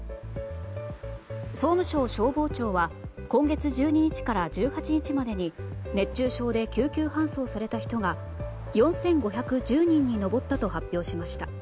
総務省消防庁は今月１２日から１８日までに熱中症で救急搬送された人が４５１０人に上ったと発表しました。